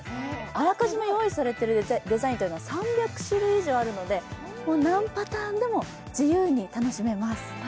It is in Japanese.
あらかじめ用意されているデザインは３００種類以上あるので、何パターンでも自由に楽しめます。